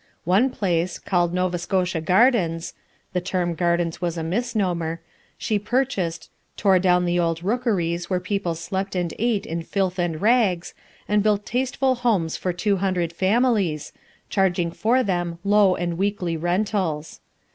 One place, called Nova Scotia gardens, the term "gardens" was a misnomer, she purchased, tore down the old rookeries where people slept and ate in filth and rags, and built tasteful homes for two hundred families, charging for them low and weekly rentals.